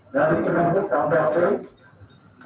dari kkp kampas p